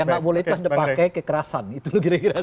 yang gak boleh itu anda pakai kekerasan itu gira gira